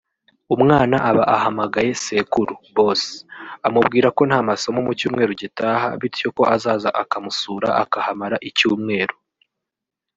umwana aba ahamagaye sekuru (boss) amubwira ko nta masomo mu cyumweru gitaha bityo ko azaza akamusura akahamara icyumweru